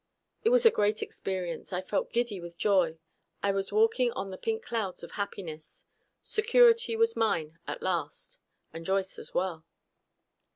It was a great experience. I felt giddy with joy; I was walking on little pink clouds of happiness. Security was mine at last. And Joyce, as well.